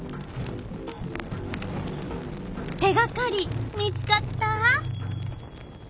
手がかり見つかった？